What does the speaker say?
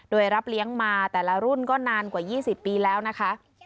โดยรับเลี้ยงมาแต่ละรุ่นก็นานกว่า๒๐ปีแล้วนะคะ